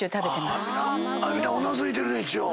みんなうなずいてるね。